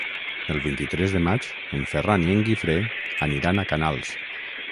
El vint-i-tres de maig en Ferran i en Guifré aniran a Canals.